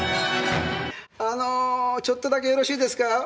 あのちょっとだけよろしいですか。